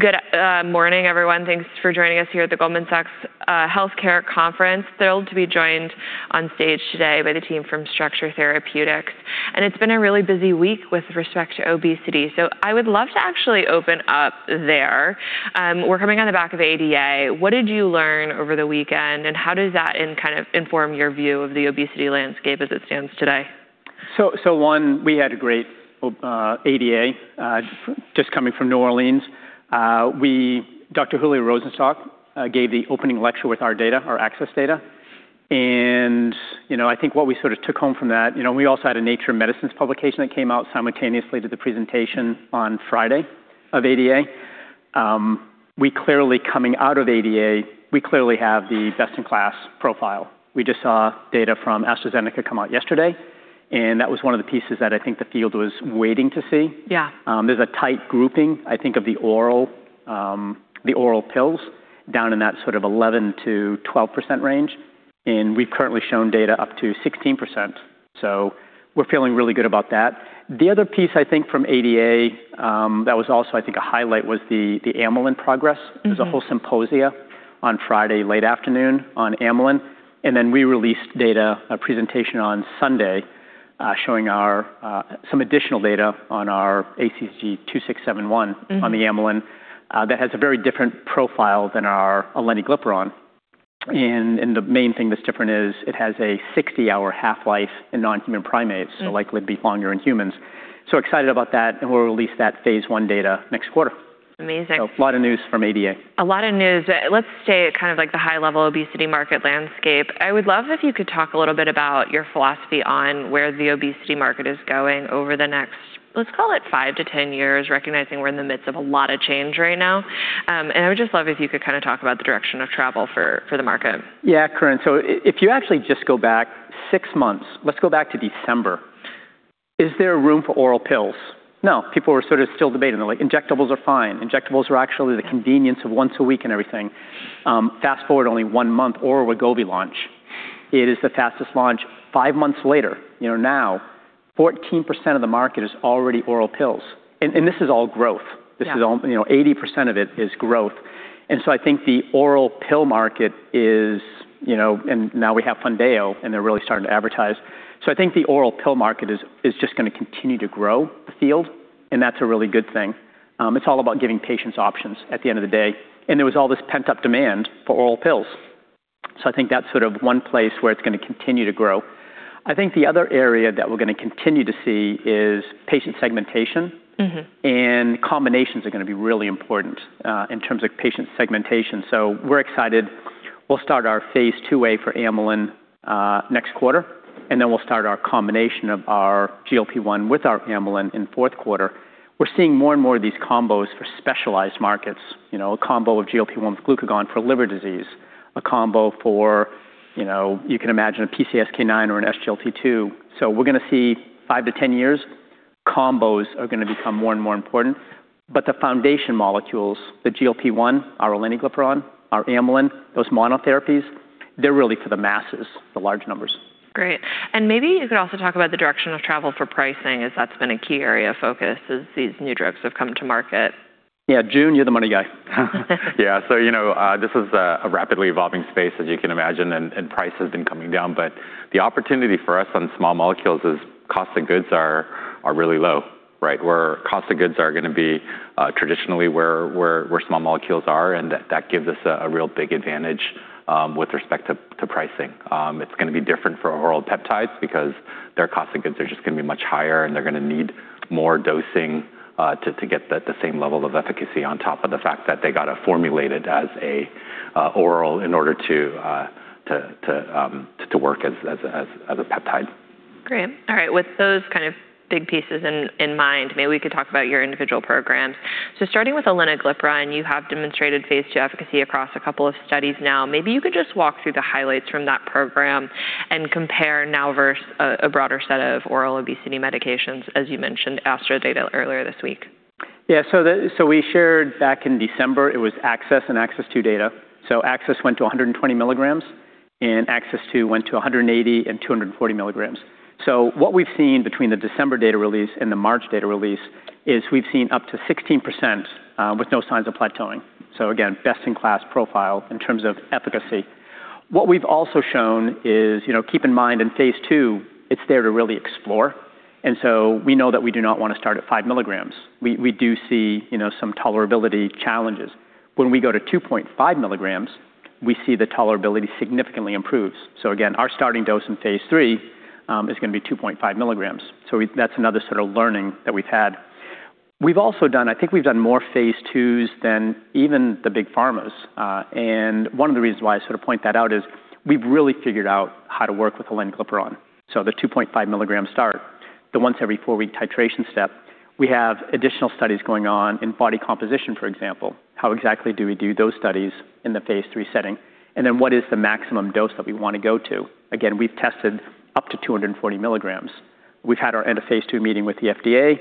Good morning, everyone. Thanks for joining us here at the Goldman Sachs Healthcare Conference. Thrilled to be joined on stage today by the team from Structure Therapeutics. It's been a really busy week with respect to obesity, I would love to actually open up there. We're coming on the back of ADA. What did you learn over the weekend, and how does that inform your view of the obesity landscape as it stands today? One, we had a great ADA, just coming from New Orleans. Dr. James Rosenzweig gave the opening lecture with our ACCESS data. I think what we sort of took home from that, we also had a Nature Medicine publication that came out simultaneously to the presentation on Friday of ADA. Coming out of ADA, we clearly have the best-in-class profile. We just saw data from AstraZeneca come out yesterday, and that was one of the pieces that I think the field was waiting to see. Yeah. There's a tight grouping, I think, of the oral pills down in that sort of 11%-12% range, and we've currently shown data up to 16%. We're feeling really good about that. The other piece, I think, from ADA that was also a highlight was the amylin progress. There was a whole symposia on Friday, late afternoon, on amylin. Then we released data, a presentation, on Sunday showing some additional data on our ACCG-2671- on the amylin that has a very different profile than our aleniglipron. The main thing that's different is it has a 60-hour half-life in non-human primates, likely it'd be longer in humans. Excited about that, and we'll release that phase I data next quarter. Amazing. A lot of news from ADA. A lot of news. Let's stay at kind of like the high-level obesity market landscape. I would love if you could talk a little bit about your philosophy on where the obesity market is going over the next, let's call it five to 10 years, recognizing we're in the midst of a lot of change right now. I would just love if you could kind of talk about the direction of travel for the market. Yeah, Corinne. If you actually just go back six months, let's go back to December. Is there room for oral pills? No. People were sort of still debating. They're like, "Injectables are fine. Injectables are actually the convenience of once a week and everything." Fast-forward only one month, oral Wegovy launch. It is the fastest launch five months later, now 14% of the market is already oral pills, and this is all growth. Yeah. 80% of it is growth. Now we have Foundayo, and they're really starting to advertise. I think the oral pill market is just going to continue to grow the field, and that's a really good thing. It's all about giving patients options at the end of the day. There was all this pent-up demand for oral pills, so I think that's sort of one place where it's going to continue to grow. I think the other area that we're going to continue to see is patient segmentation. Combinations are going to be really important in terms of patient segmentation. We're excited. We'll start our phase IIa for amylin next quarter, and then we'll start our combination of our GLP-1 with our amylin in the fourth quarter. We're seeing more and more of these combos for specialized markets. A combo of GLP-1 with glucagon for liver disease, a combo for, you can imagine, a PCSK9 or an SGLT2. We're going to see in 5-10 years, combos are going to become more and more important. The foundation molecules, the GLP-1, our aleniglipron, our amylin, those monotherapies, they're really for the masses, the large numbers. Great. Maybe you could also talk about the direction of travel for pricing, as that's been a key area of focus as these new drugs have come to market. Yeah. Jun, you're the money guy. This is a rapidly evolving space, as you can imagine, and price has been coming down. The opportunity for us on small molecules is cost of goods are really low, right? Where cost of goods are going to be traditionally where small molecules are, and that gives us a real big advantage with respect to pricing. It's going to be different for oral peptides because their cost of goods are just going to be much higher, and they're going to need more dosing to get the same level of efficacy on top of the fact that they got to formulate it as oral in order to work as a peptide. Great. All right. With those kind of big pieces in mind, maybe we could talk about your individual programs. Starting with aleniglipron, you have demonstrated phase II efficacy across a couple of studies now. Maybe you could just walk through the highlights from that program and compare now versus a broader set of oral obesity medications, as you mentioned AstraZeneca data earlier this week. Yeah. We shared back in December, it was ACCESS and ACCESS II data. ACCESS went to 120 mg, and ACCESS II went to 180 mg and 240 mg. What we've seen between the December data release and the March data release is we've seen up to 16% with no signs of plateauing. Again, best-in-class profile in terms of efficacy. What we've also shown is, keep in mind in phase II, it's there to really explore, and we know that we do not want to start at 5 mg. We do see some tolerability challenges. When we go to 2.5 mg, we see the tolerability significantly improves. Again, our starting dose in phase III is going to be 2.5 mg. That's another sort of learning that we've had. I think we've done more phase IIs than even the big pharmas. One of the reasons why I sort of point that out is we've really figured out how to work with aleniglipron. The 2.5 mg start, the once every four-week titration step. We have additional studies going on in body composition, for example. How exactly do we do those studies in the phase III setting? What is the maximum dose that we want to go to? Again, we've tested up to 240 mg. We've had our end of phase II meeting with the FDA,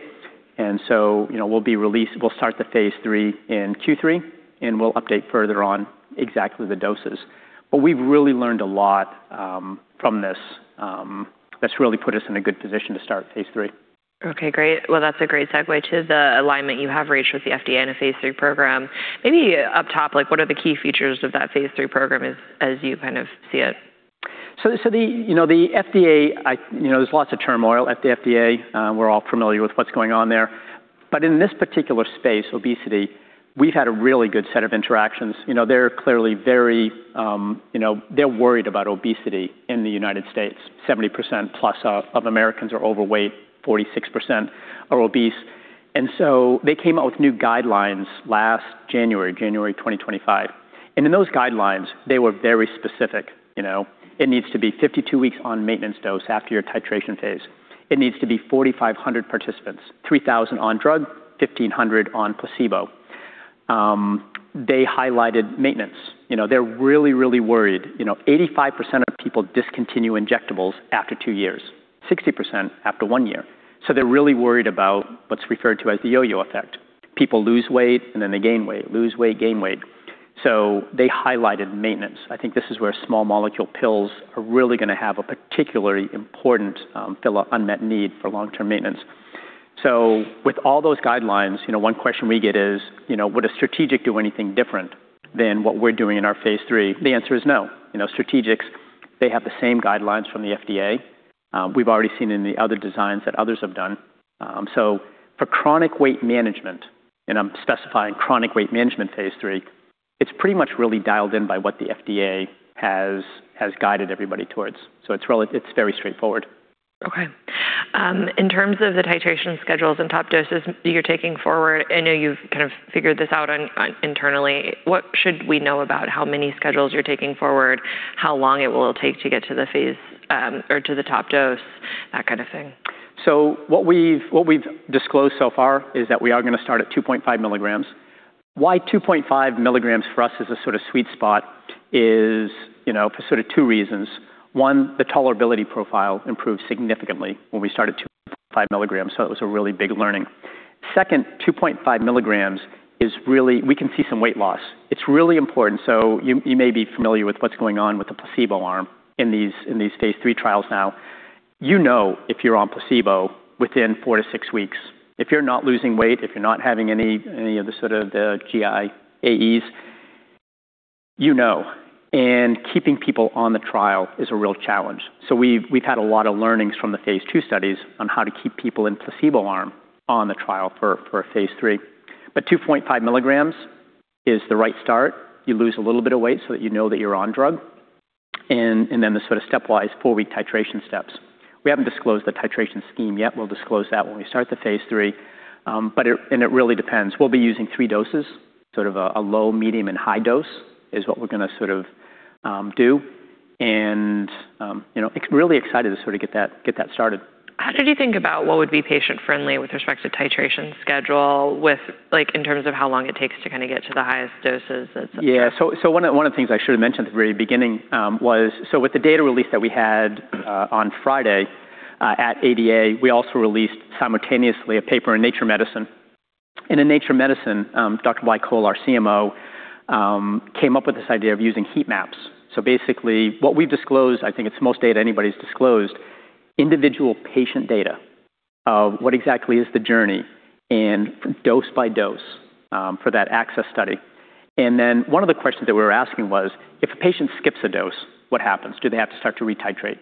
so we'll start the phase III in Q3, and we'll update further on exactly the doses. We've really learned a lot from this that's really put us in a good position to start phase III. Okay, great. Well, that's a great segue to the alignment you have reached with the FDA in a phase III program. Maybe up top, what are the key features of that phase III program as you see it? The FDA, there's lots of turmoil at the FDA. We're all familiar with what's going on there. In this particular space, obesity, we've had a really good set of interactions. They're worried about obesity in the U.S. 70%+ of Americans are overweight, 46% are obese. They came out with new guidelines last January 2025. In those guidelines, they were very specific. It needs to be 52 weeks on maintenance dose after your titration phase. It needs to be 4,500 participants, 3,000 on drug, 1,500 on placebo. They highlighted maintenance. They're really, really worried. 85% of people discontinue injectables after two years, 60% after one year. They're really worried about what's referred to as the yo-yo effect. People lose weight, then they gain weight, lose weight, gain weight. They highlighted maintenance. I think this is where small molecule pills are really going to have a particularly important unmet need for long-term maintenance. With all those guidelines, one question we get is, would a strategic do anything different than what we're doing in our phase III? The answer is no. Strategics, they have the same guidelines from the FDA. We've already seen in the other designs that others have done. For chronic weight management, and I'm specifying chronic weight management phase III, it's pretty much really dialed in by what the FDA has guided everybody towards. It's very straightforward. Okay. In terms of the titration schedules and top doses you're taking forward, I know you've kind of figured this out internally, what should we know about how many schedules you're taking forward, how long it will take to get to the top dose, that kind of thing? What we've disclosed so far is that we are going to start at 2.5 mg. Why 2.5 mg for us is a sort of sweet spot is for sort of two reasons. One, the tolerability profile improved significantly when we started 2.5 mg, so it was a really big learning. Second, 2.5 mg, we can see some weight loss. It's really important. You may be familiar with what's going on with the placebo arm in these phase III trials now. You know if you're on placebo within four to six weeks. If you're not losing weight, if you're not having any of the sort of the GI AEs, you know, and keeping people on the trial is a real challenge. We've had a lot of learnings from the phase II studies on how to keep people in placebo arm on the trial for a phase III. 2.5 mg is the right start. You lose a little bit of weight so that you know that you're on drug, and then the sort of stepwise four-week titration steps. We haven't disclosed the titration scheme yet. We'll disclose that when we start the phase III. It really depends. We'll be using three doses, sort of a low, medium, and high dose is what we're going to sort of do, and really excited to sort of get that started. How did you think about what would be patient-friendly with respect to titration schedule in terms of how long it takes to kind of get to the highest doses, et cetera? One of the things I should have mentioned at the very beginning was, with the data release that we had on Friday at ADA, we also released simultaneously a paper in "Nature Medicine." In "Nature Medicine," Dr. Blai Coll, our CMO, came up with this idea of using heat maps. Basically, what we've disclosed, I think it's the most data anybody's disclosed, individual patient data of what exactly is the journey and dose by dose for that ACCESS study. One of the questions that we were asking was, if a patient skips a dose, what happens? Do they have to start to re-titrate?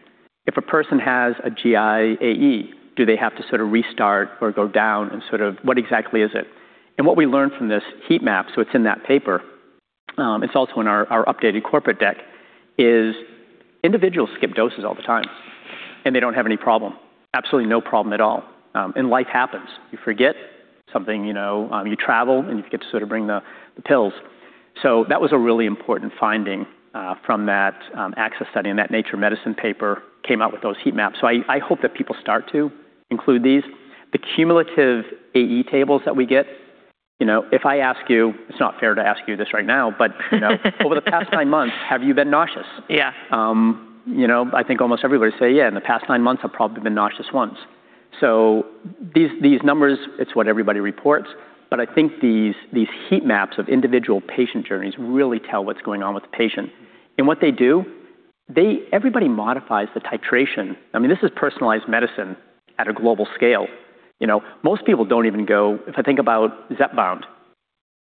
If a person has a GI AE, do they have to restart or go down and what exactly is it? What we learned from this heat map, it's in that paper, it's also in our updated corporate deck, is individuals skip doses all the time, they don't have any problem. Absolutely no problem at all. Life happens. You forget something, you travel, you forget to bring the pills. That was a really important finding from that ACCESS study, and that "Nature Medicine" paper came out with those heat maps. I hope that people start to include these. The cumulative AE tables that we get, if I ask you, it's not fair to ask you this right now, over the past nine months, have you been nauseous? Yeah. I think almost everybody would say, "Yeah, in the past nine months, I've probably been nauseous once." These numbers, it's what everybody reports, but I think these heat maps of individual patient journeys really tell what's going on with the patient. What they do, everybody modifies the titration. I mean, this is personalized medicine at a global scale. Most people don't even go, if I think about Zepbound,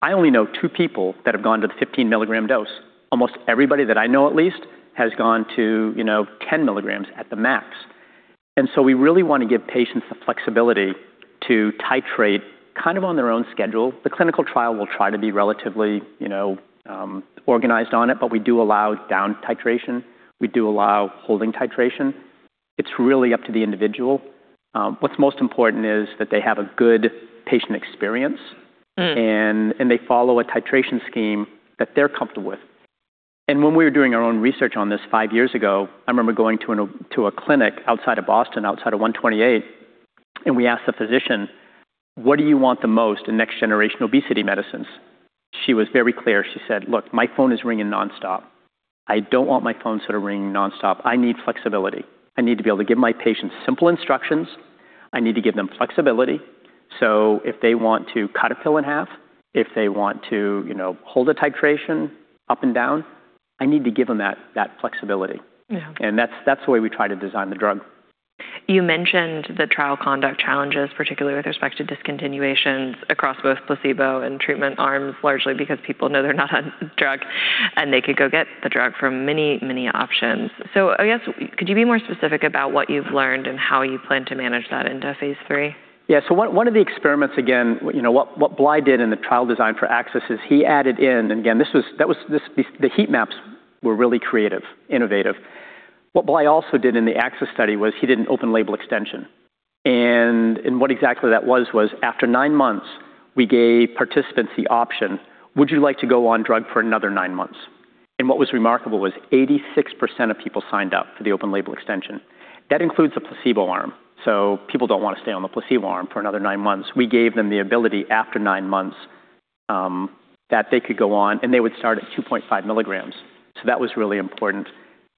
I only know two people that have gone to the 15 mg dose. Almost everybody that I know at least has gone to 10 mg at the max. We really want to give patients the flexibility to titrate on their own schedule. The clinical trial will try to be relatively organized on it, but we do allow down titration. We do allow holding titration. It's really up to the individual. What's most important is that they have a good patient experience, they follow a titration scheme that they're comfortable with. When we were doing our own research on this five years ago, I remember going to a clinic outside of Boston, outside of 128, we asked the physician, "What do you want the most in next-generation obesity medicines?" She was very clear. She said, "Look, my phone is ringing nonstop. I don't want my phone ringing nonstop. I need flexibility. I need to be able to give my patients simple instructions. I need to give them flexibility." If they want to cut a pill in half, if they want to hold a titration up and down, I need to give them that flexibility. Yeah. That's the way we try to design the drug. You mentioned the trial conduct challenges, particularly with respect to discontinuations across both placebo and treatment arms, largely because people know they're not on drug and they could go get the drug from many options. I guess, could you be more specific about what you've learned and how you plan to manage that into phase III? Yeah. One of the experiments, again, what Blai did in the trial design for ACCESS is he added in, again, the heat maps were really creative, innovative. What Blai also did in the ACCESS study was he did an open-label extension. What exactly that was after nine months, we gave participants the option, "Would you like to go on drug for another nine months?" What was remarkable was 86% of people signed up for the open-label extension. That includes a placebo arm. People don't want to stay on the placebo arm for another nine months. We gave them the ability after nine months, that they could go on, and they would start at 2.5 mg. That was really important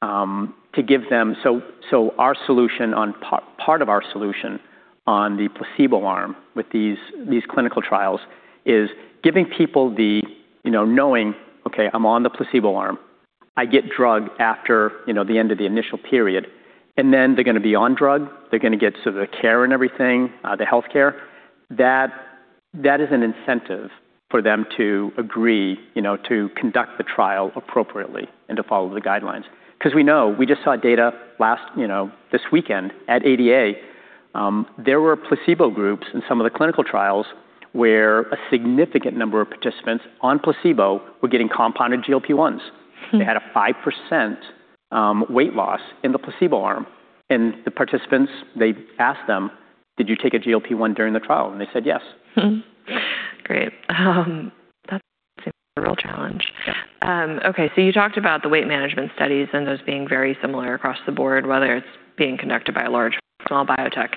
to give them. Part of our solution on the placebo arm with these clinical trials is giving people the knowing, "Okay, I'm on the placebo arm. I get drug after the end of the initial period." Then they're going to be on drug. They're going to get the care and everything, the healthcare. That is an incentive for them to agree to conduct the trial appropriately and to follow the guidelines. Because we know, we just saw data this weekend at ADA. There were placebo groups in some of the clinical trials where a significant number of participants on placebo were getting compounded GLP-1s. They had a 5% weight loss in the placebo arm. The participants, they asked them, "Did you take a GLP-1 during the trial?" They said, "Yes. Great. That seems a real challenge. Yeah. You talked about the weight management studies and those being very similar across the board, whether it's being conducted by a large or small biotech.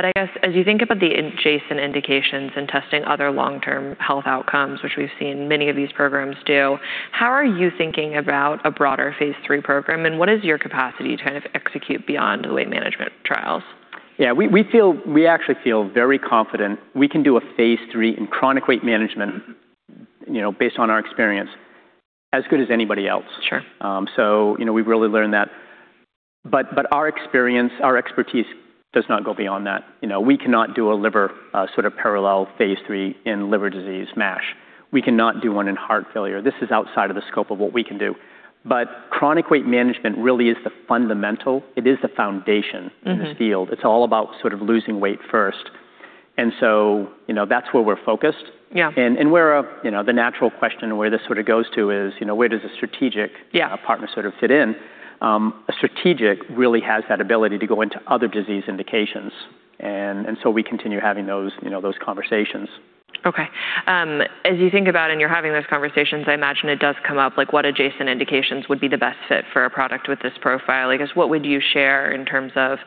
I guess as you think about the adjacent indications and testing other long-term health outcomes, which we've seen many of these programs do, how are you thinking about a broader phase III program, and what is your capacity to kind of execute beyond weight management trials? We actually feel very confident we can do a phase III in chronic weight management, based on our experience, as good as anybody else. Sure. We've really learned that. Our experience, our expertise does not go beyond that. We cannot do a liver sort of parallel phase III in liver disease, MASH. We cannot do one in heart failure. This is outside of the scope of what we can do. Chronic weight management really is the fundamental. It is the foundation in this field. It's all about sort of losing weight first. That's where we're focused. Yeah. The natural question and where this sort of goes to is, where does the strategic Yeah A partner sort of fit in? A strategic really has that ability to go into other disease indications. We continue having those conversations. Okay. As you think about and you're having those conversations, I imagine it does come up, like what adjacent indications would be the best fit for a product with this profile? I guess, what would you share in terms of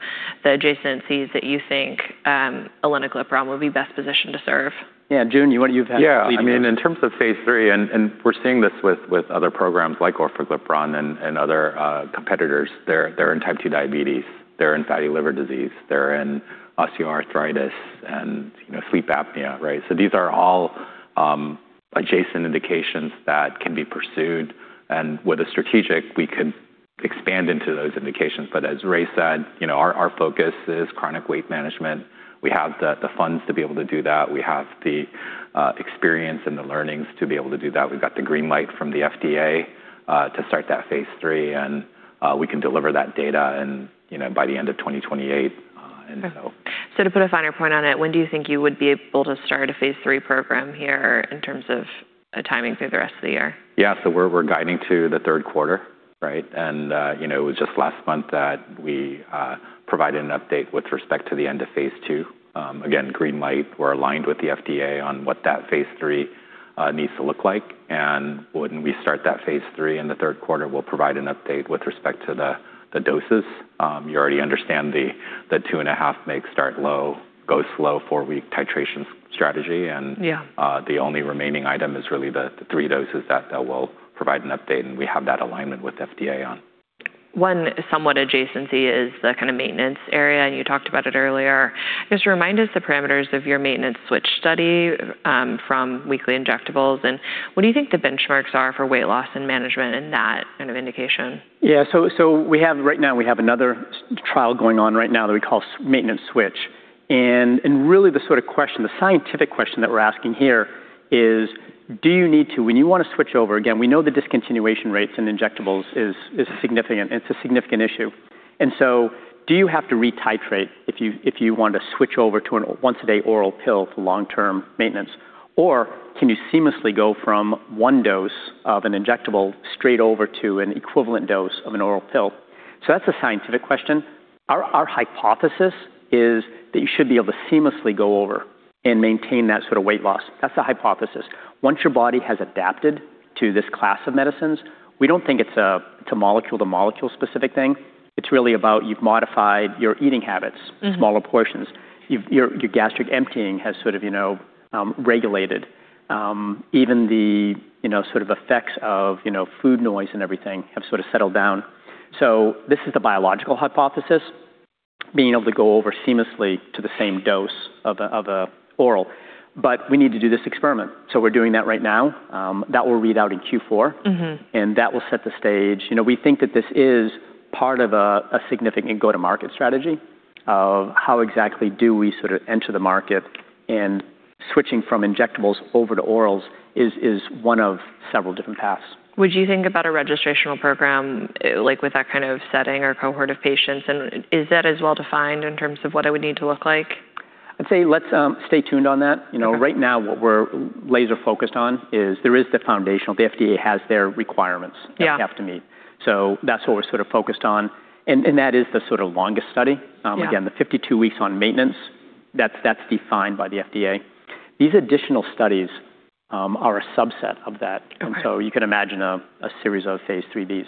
the adjacencies that you think aleniglipron would be best positioned to serve? Yeah. Jun, you've had. Yeah. I mean, in terms of phase III, we're seeing this with other programs like orforglipron and other competitors. They're in type 2 diabetes. They're in fatty liver disease. They're in osteoarthritis and sleep apnea, right? These are all adjacent indications that can be pursued. With a strategic, we could expand into those indications. As Ray said, our focus is chronic weight management. We have the funds to be able to do that. We have the experience and the learnings to be able to do that. We've got the green light from the FDA to start that phase III, and we can deliver that data by the end of 2028. To put a finer point on it, when do you think you would be able to start a phase III program here in terms of a timing through the rest of the year? We're guiding to the third quarter, right? It was just last month that we provided an update with respect to the end of phase II. Again, green light. We're aligned with the FDA on what that phase III needs to look like. When we start that phase III in the third quarter, we'll provide an update with respect to the doses. You already understand the 2.5 mg start low, go slow, four-week titration strategy. Yeah The only remaining item is really the three doses that we'll provide an update, and we have that alignment with FDA on. One somewhat adjacency is the kind of maintenance area. You talked about it earlier. Just remind us the parameters of your maintenance switch study from weekly injectables, and what do you think the benchmarks are for weight loss and management in that kind of indication? Yeah. Right now we have another trial going on right now that we call maintenance switch. Really the sort of question, the scientific question that we're asking here is when you want to switch over, again, we know the discontinuation rates in injectables is significant. It's a significant issue. Do you have to re-titrate if you want to switch over to an once-a-day oral pill for long-term maintenance? Can you seamlessly go from one dose of an injectable straight over to an equivalent dose of an oral pill? That's the scientific question. Our hypothesis is that you should be able to seamlessly go over and maintain that sort of weight loss. That's the hypothesis. Once your body has adapted to this class of medicines, we don't think it's a molecule-to-molecule specific thing. It's really about you've modified your eating habits. Smaller portions. Your gastric emptying has sort of regulated. Even the sort of effects of food noise and everything have sort of settled down. This is the biological hypothesis, being able to go over seamlessly to the same dose of an oral. We need to do this experiment. We're doing that right now. That will read out in Q4. That will set the stage. We think that this is part of a significant go-to-market strategy of how exactly do we sort of enter the market, and switching from injectables over to orals is one of several different paths. Would you think about a registrational program, like with that kind of setting or cohort of patients? Is that as well defined in terms of what it would need to look like? I'd say let's stay tuned on that. Okay. Right now, what we're laser focused on is there is the foundational. The FDA has their requirements. Yeah That we have to meet. That's what we're sort of focused on. That is the sort of longest study. Yeah. Again, the 52 weeks on maintenance, that's defined by the FDA. These additional studies are a subset of that. Okay. You can imagine a series of phase IIIb.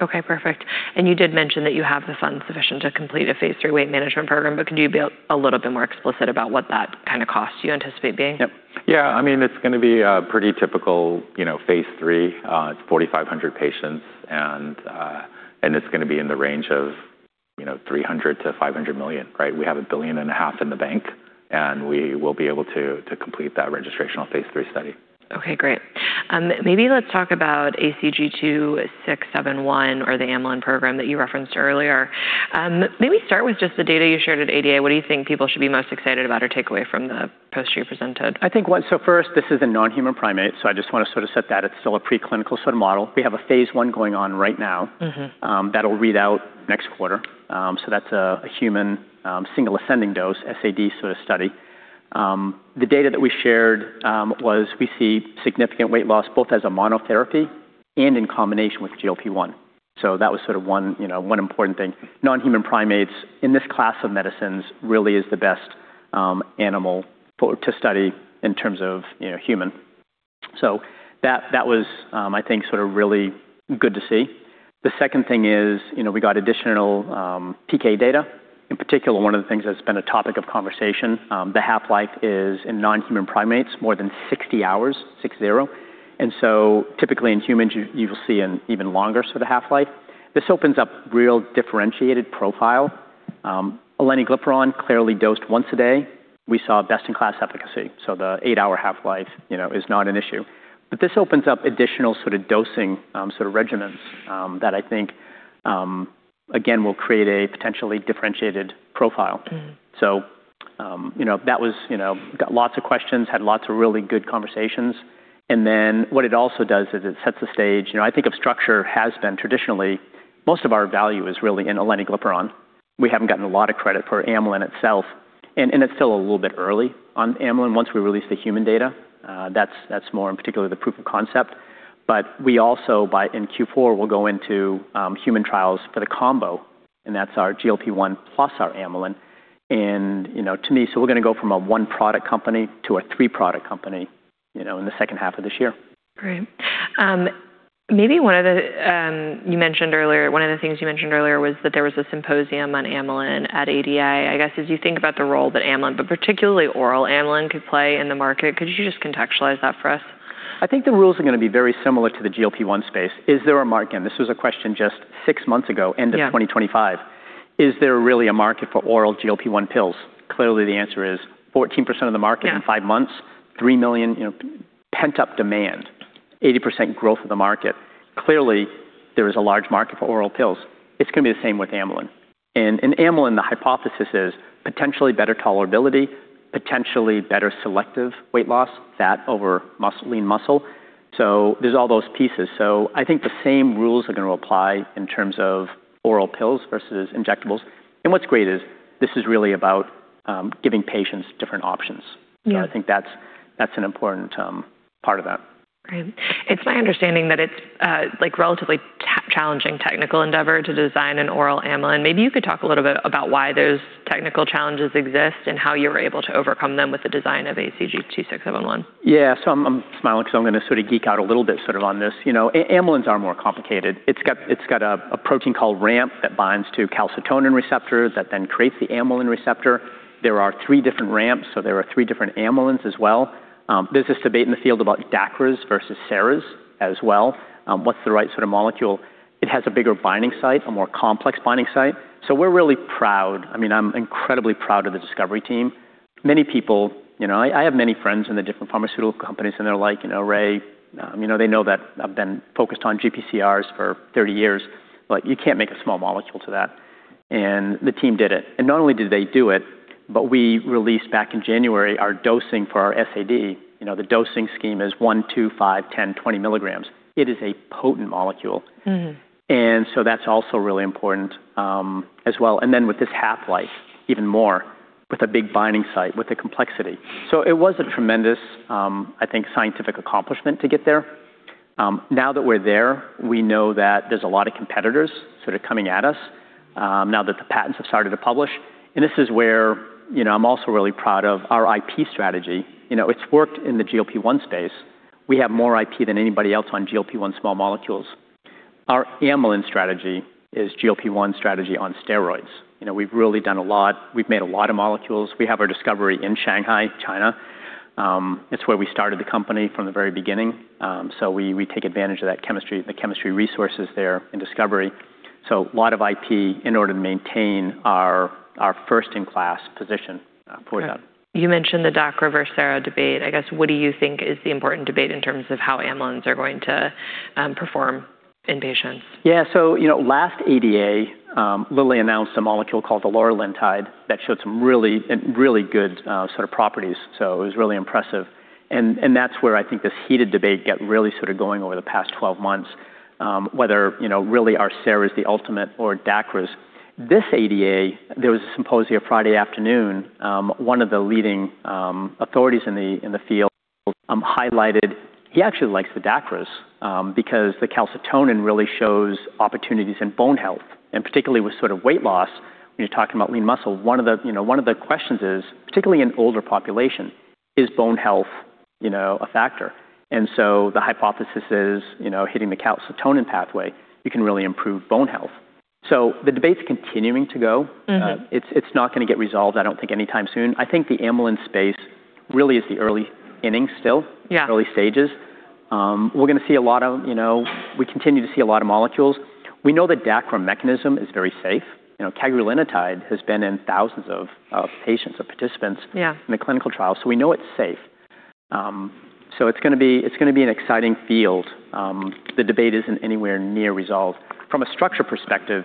Okay, perfect. You did mention that you have the funds sufficient to complete a phase III weight management program, but could you be a little bit more explicit about what that kind of cost you anticipate being? Yep. Yeah, it's going to be a pretty typical phase III. It's 4,500 patients, and it's going to be in the range of $300 million-$500 million. Right? We have a billion and a half in the bank, and we will be able to complete that registrational phase III study. Okay, great. Maybe let's talk about ACCG-2671 or the amylin program that you referenced earlier. Maybe start with just the data you shared at ADA. What do you think people should be most excited about or take away from the poster you presented? First, this is a non-human primate, so I just want to sort of set that. It's still a preclinical sort of model. We have a phase I going on right now. That'll read out next quarter. That's a human, single ascending dose, SAD sort of study. The data that we shared was we see significant weight loss, both as a monotherapy and in combination with GLP-1. That was sort of one important thing. Non-human primates in this class of medicines really is the best animal to study in terms of human. That was, I think, sort of really good to see. The second thing is we got additional PK data. In particular, one of the things that's been a topic of conversation, the half-life is, in non-human primates, more than 60 hours, six zero. Typically in humans, you will see an even longer sort of half-life. This opens up real differentiated profile. Aleniglipron clearly dosed once a day. We saw best-in-class efficacy, so the eight-hour half-life is not an issue. This opens up additional sort of dosing regimens that I think, again, will create a potentially differentiated profile. Got lots of questions, had lots of really good conversations. What it also does is it sets the stage. I think of Structure has been traditionally, most of our value is really in aleniglipron. We haven't gotten a lot of credit for amylin itself, and it's still a little bit early on amylin. Once we release the human data, that's more in particular the proof of concept. We also, in Q4, will go into human trials for the combo, that's our GLP-1 plus our amylin. We're going to go from a one-product company to a three-product company in the second half of this year. Great. You mentioned earlier, one of the things you mentioned earlier was that there was a symposium on amylin at ADA. As you think about the role that amylin, but particularly oral amylin, could play in the market, could you just contextualize that for us? I think the rules are going to be very similar to the GLP-1 space. Is there a market? This was a question just six months ago, end of 2025. Yeah. Is there really a market for oral GLP-1 pills? Clearly, the answer is 14% of the market in five months, three million pent-up demand, 80% growth of the market. Clearly, there is a large market for oral pills. It's going to be the same with amylin. In amylin, the hypothesis is potentially better tolerability, potentially better selective weight loss, fat over lean muscle. There's all those pieces. I think the same rules are going to apply in terms of oral pills versus injectables. What's great is this is really about giving patients different options. Yeah. I think that's an important part of that. Great. It's my understanding that it's a relatively challenging technical endeavor to design an oral amylin. Maybe you could talk a little bit about why those technical challenges exist and how you were able to overcome them with the design of ACCG-2671. I'm smiling because I'm going to sort of geek out a little bit sort of on this. Amylins are more complicated. It's got a protein called RAMP that binds to calcitonin receptors that then creates the amylin receptor. There are three different RAMPS, so there are three different amylins as well. There's this debate in the field about DACRAs versus SARAs as well. What's the right sort of molecule? It has a bigger binding site, a more complex binding site. We're really proud. I'm incredibly proud of the discovery team. I have many friends in the different pharmaceutical companies, and they're like, "Ray," they know that I've been focused on GPCRs for 30 years, but you can't make a small molecule to that. The team did it. Not only did they do it, but we released back in January our dosing for our SAD. The dosing scheme is one, two, five, 10, 20 mg. It is a potent molecule. That's also really important as well. With this half-life, even more, with a big binding site, with the complexity. It was a tremendous, I think, scientific accomplishment to get there. Now that we're there, we know that there's a lot of competitors sort of coming at us now that the patents have started to publish. This is where I'm also really proud of our IP strategy. It's worked in the GLP-1 space. We have more IP than anybody else on GLP-1 small molecules. Our amylin strategy is GLP-1 strategy on steroids. We've really done a lot. We've made a lot of molecules. We have our discovery in Shanghai, China. It's where we started the company from the very beginning. We take advantage of that chemistry, the chemistry resources there in discovery. A lot of IP in order to maintain our first in class position for that. You mentioned the DACRA versus SARA debate. I guess what do you think is the important debate in terms of how amylins are going to perform in patients? Yeah. Last ADA, Lilly announced a molecule called retatrutide that showed some really good sort of properties. It was really impressive. That's where I think this heated debate got really sort of going over the past 12 months, whether really are SARAs the ultimate or DACRAs. This ADA, there was a symposia Friday afternoon, one of the leading authorities in the field highlighted he actually likes the DACRAs, because the calcitonin really shows opportunities in bone health, and particularly with sort of weight loss. When you're talking about lean muscle, one of the questions is, particularly in older population, is bone health a factor? The hypothesis is hitting the calcitonin pathway, you can really improve bone health. The debate's continuing to go. It's not going to get resolved, I don't think, anytime soon. I think the amylin space really is the early innings still. Yeah. Early stages. We continue to see a lot of molecules. We know the DACRA mechanism is very safe. You know, cagrilintide has been in thousands of participants. Yeah in the clinical trial, we know it's safe. It's going to be an exciting field. The debate isn't anywhere near resolved. From a Structure perspective,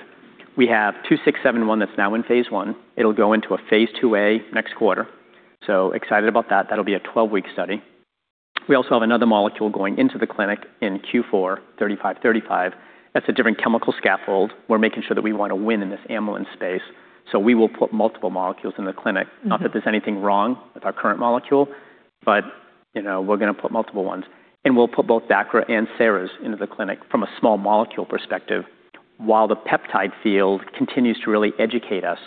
we have 2671 that's now in phase I. It'll go into a phase II-A next quarter. Excited about that. That'll be a 12-week study. We also have another molecule going into the clinic in Q4, 3535. That's a different chemical scaffold. We're making sure that we want to win in this amylin space. We will put multiple molecules in the clinic. Not that there's anything wrong with our current molecule. We're going to put multiple ones, and we'll put both DACRA and SARAs into the clinic from a small molecule perspective. While the peptide field continues to really educate us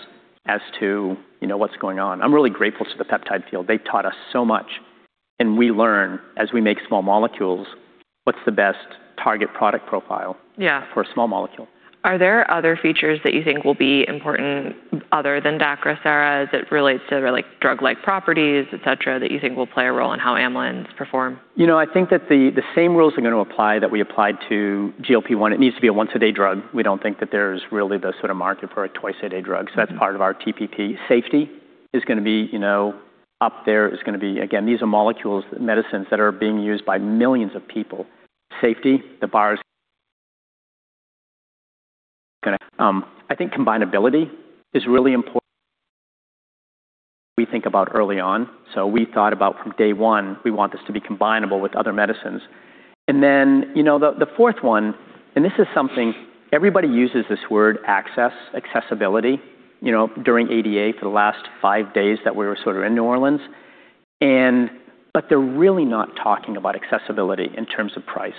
as to what's going on. I'm really grateful to the peptide field. They've taught us so much. We learn as we make small molecules, what's the best Target Product Profile- Yeah for a small molecule. Are there other features that you think will be important other than DACRA, SARA, as it relates to like drug-like properties, et cetera, that you think will play a role in how amylins perform? I think that the same rules are going to apply that we applied to GLP-1. It needs to be a once-a-day drug. We don't think that there's really the sort of market for a twice-a-day drug. That's part of our TPP. Safety is going to be up there, is going to be again, these are molecules, medicines that are being used by millions of people. Safety, I think combinability is really important we think about early on. We thought about from day one, we want this to be combinable with other medicines. The fourth one, and this is something, everybody uses this word access, accessibility, during ADA for the last five days that we were sort of in New Orleans, they're really not talking about accessibility in terms of price.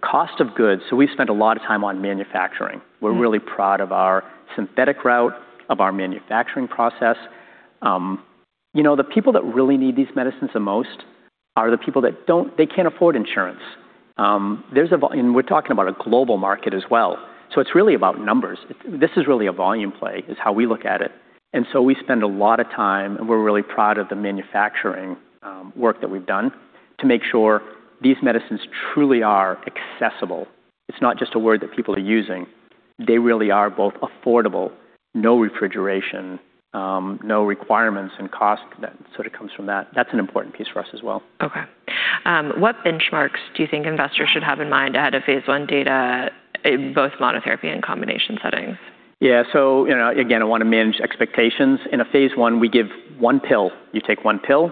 Cost of goods. We've spent a lot of time on manufacturing. We're really proud of our synthetic route, of our manufacturing process. The people that really need these medicines the most are the people that can't afford insurance. We're talking about a global market as well. It's really about numbers. This is really a volume play, is how we look at it. We spend a lot of time, and we're really proud of the manufacturing work that we've done to make sure these medicines truly are accessible. It's not just a word that people are using. They really are both affordable, no refrigeration, no requirements and cost that sort of comes from that. That's an important piece for us as well. Okay. What benchmarks do you think investors should have in mind out of phase I data in both monotherapy and combination settings? Again, I want to manage expectations. In a phase I, we give one pill. You take one pill.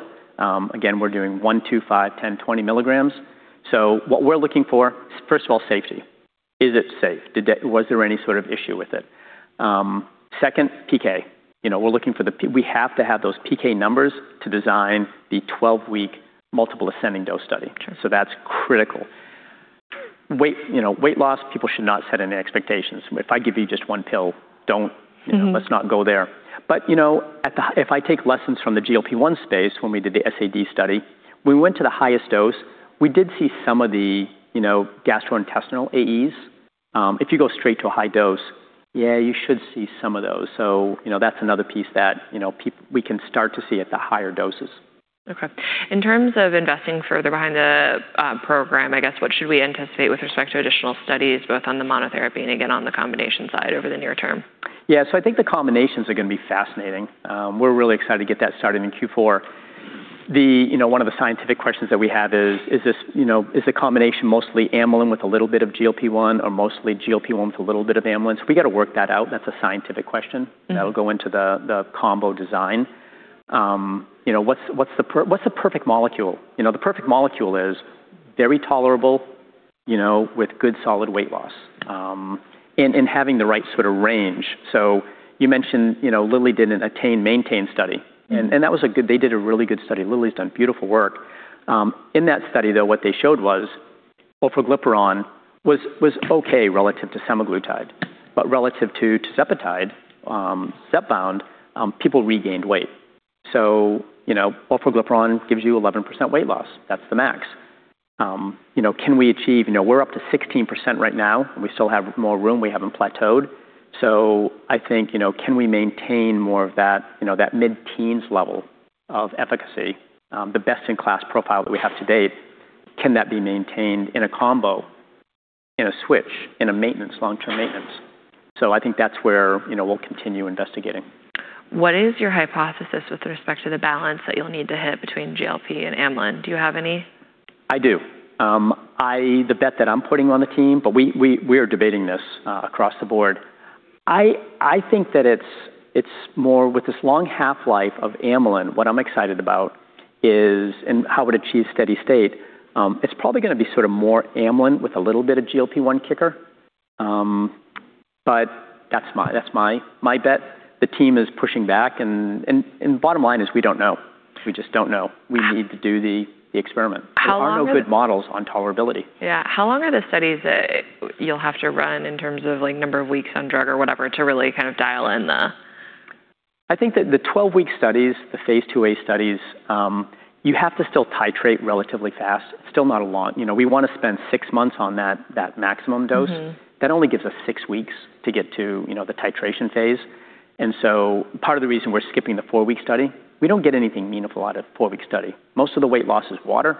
Again, we're doing one, two, five, 10, 20 mg. What we're looking for is, first of all, safety. Is it safe? Was there any sort of issue with it? Second, PK. We have to have those PK numbers to design the 12-week multiple ascending dose study. Sure. That's critical. Weight loss, people should not set any expectations. If I give you just one pill, let's not go there. If I take lessons from the GLP-1 space, when we did the SAD study, we went to the highest dose. We did see some of the gastrointestinal AEs. If you go straight to a high dose, you should see some of those. That's another piece that we can start to see at the higher doses. In terms of investing further behind the program, what should we anticipate with respect to additional studies both on the monotherapy and again on the combination side over the near term? I think the combinations are going to be fascinating. We're really excited to get that started in Q4. One of the scientific questions that we have is the combination mostly amylin with a little bit of GLP-1 or mostly GLP-1 with a little bit of amylin? We got to work that out, and that's a scientific question. That'll go into the combo design. What's the perfect molecule? The perfect molecule is very tolerable with good solid weight loss, and having the right sort of range. You mentioned Lilly did an ATTAIN-MAINTAIN study. They did a really good study. Lilly's done beautiful work. In that study, though, what they showed was orforglipron was okay relative to semaglutide, but relative to tirzepatide, Zepbound, people regained weight. orforglipron gives you 11% weight loss. That's the max. Can we achieve We're up to 16% right now, and we still have more room. We haven't plateaued. I think, can we maintain more of that mid-teens level of efficacy, the best-in-class profile that we have to date? Can that be maintained in a combo, in a switch, in a maintenance, long-term maintenance? I think that's where we'll continue investigating. What is your hypothesis with respect to the balance that you'll need to hit between GLP and amylin? Do you have any? I do. The bet that I'm putting on the team, we are debating this across the board. I think that it's more with this long half-life of amylin, what I'm excited about is, and how it achieves steady state. It's probably going to be sort of more amylin with a little bit of GLP-1 kicker. That's my bet. The team is pushing back, and bottom line is we don't know. We just don't know. We need to do the experiment. How long are the There are no good models on tolerability. Yeah. How long are the studies that you'll have to run in terms of number of weeks on drug or whatever to really kind of dial in the? I think that the 12-week studies, the phase IIa studies, you have to still titrate relatively fast. Still not a lot. We want to spend six months on that maximum dose. That only gives us six weeks to get to the titration phase. Part of the reason we're skipping the four-week study, we don't get anything meaningful out of four-week study. Most of the weight loss is water.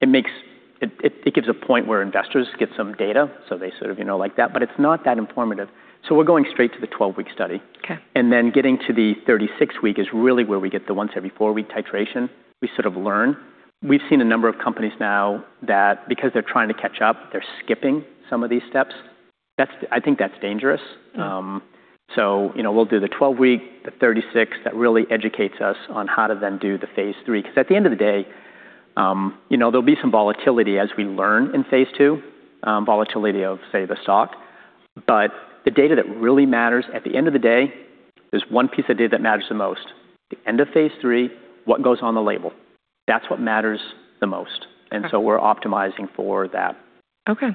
It gives a point where investors get some data, they sort of like that, but it's not that informative. We're going straight to the 12-week study. Okay. Getting to the 36-week is really where we get the once every four-week titration. We sort of learn. We've seen a number of companies now that because they're trying to catch up, they're skipping some of these steps. I think that's dangerous. Yeah. We'll do the 12-week, the 36. That really educates us on how to then do the phase III, because at the end of the day, there'll be some volatility as we learn in phase II, volatility of, say, the stock. The data that really matters at the end of the day, there's one piece of data that matters the most. The end of phase III, what goes on the label. That's what matters the most. Okay. We're optimizing for that. Okay.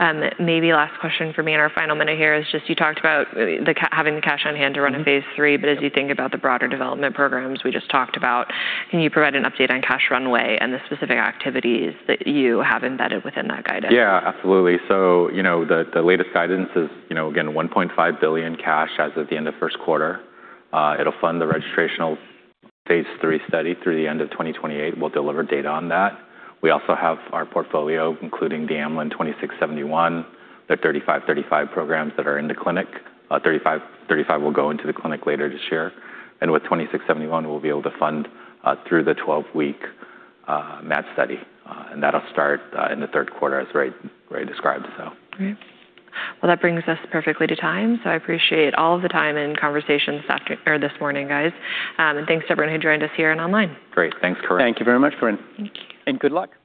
As you think about the broader development programs we just talked about, can you provide an update on cash runway and the specific activities that you have embedded within that guidance? Yeah, absolutely. The latest guidance is, again, $1.5 billion cash as of the end of first quarter. It'll fund the registrational phase III study through the end of 2028. We'll deliver data on that. We also have our portfolio, including the amylin 2671, the 3535 programs that are in the clinic. 3535 will go into the clinic later this year. With 2671, we'll be able to fund through the 12-week MAD study. That'll start in the third quarter as Ray described. Great. That brings us perfectly to time, so I appreciate all of the time and conversations this morning, guys. Thanks to everyone who joined us here and online. Great. Thanks, Corinne. Thank you very much, Corinne. Thank you. Good luck.